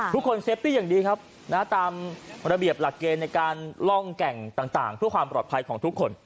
เซฟตี้อย่างดีครับตามระเบียบหลักเกณฑ์ในการล่องแก่งต่างเพื่อความปลอดภัยของทุกคน